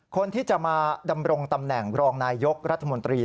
คนที่จะมาดำรงตำแหน่งรองนายยกรัฐมนตรี